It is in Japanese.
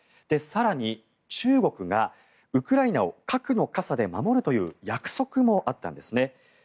更に中国がウクライナを核の傘で守るという約束もあったんですね。